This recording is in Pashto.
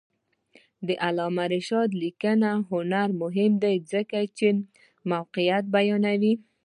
د علامه رشاد لیکنی هنر مهم دی ځکه چې موقعیت بیانوي.